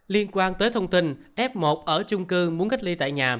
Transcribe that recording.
liên quan tới thông tin f một ở chung cư muốn cách ly tại nhà